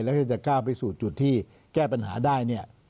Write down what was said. แล้วจะกล้าวไปสู่จุดที่แก้ปัญหาได้